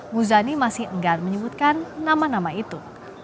muzani masih enggan menyebutkan nama nama itu